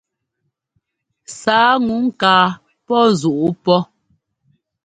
Sǎa ŋu ŋkaa pɔ́ zuʼu pɔ́.